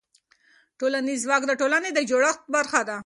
ټولنیز ځواک د ټولنې د جوړښت برخه ده.